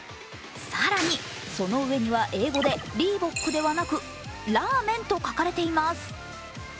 更にそのうえには英語でリーボックではなくラーメンと書かれています。